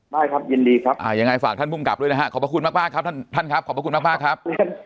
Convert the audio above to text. ได้ครับยินดีครับยังไงฝากท่านภูมิกับด้วยนะฮะขอบพระคุณมากครับท่านครับขอบพระคุณมากครับ